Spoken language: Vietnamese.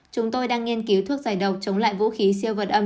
chúng tôi đang nghiên cứu thuốc giải độc chống lại vũ khí siêu vật âm